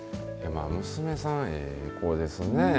娘さん、ええ子ですね。